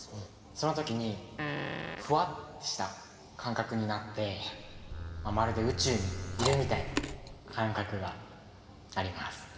その時にフワッとした感覚になってまるで宇宙にいるみたいな感覚があります。